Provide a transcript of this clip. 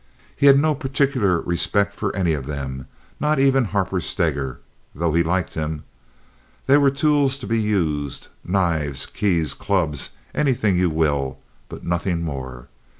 He had no particular respect for any of them—not even Harper Steger, though he liked him. They were tools to be used—knives, keys, clubs, anything you will; but nothing more.